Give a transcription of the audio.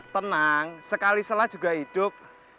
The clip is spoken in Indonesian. tenang sekali selah juga hidup